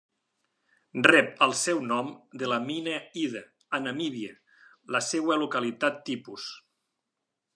Rep el seu nom de la mina Ida, a Namíbia, la seva localitat tipus.